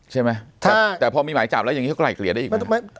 ใช่ไหมแต่พอมีหมายจับแล้วอย่างนี้เขาไกลเกลี่ยได้อีกไหม